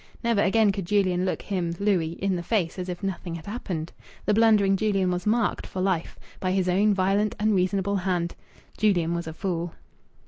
Never again could Julian look him (Louis) in the face as if nothing had happened. The blundering Julian was marked for life, by his own violent, unreasonable hand. Julian was a fool.